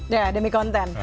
ya demi konten